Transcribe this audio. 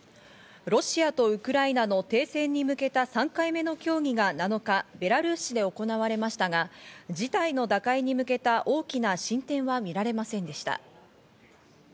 ロシアとウクライナの停戦に向けた３回目の協議が７日、ベラルーシで行われましたが、事態の打開に向けた大きな進展は見られませんでした。